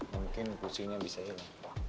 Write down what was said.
mungkin pusingnya bisa ya